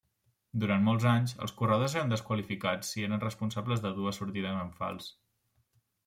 Durant molts anys, els corredors eren desqualificats si eren responsables de dues sortides en fals.